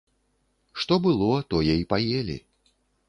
Што было, тое і паелі.